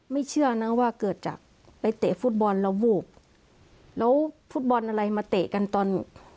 เชื่อนะว่าเกิดจากไปเตะฟุตบอลแล้ววูบแล้วฟุตบอลอะไรมาเตะกันตอน